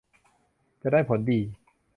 จะได้ผลดี